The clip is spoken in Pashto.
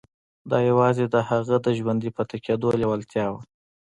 دا يوازې د هغه د ژوندي پاتې کېدو لېوالتیا وه.